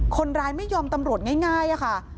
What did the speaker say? คนร้ายไม่ยอมตำรวจง่ายค่ะ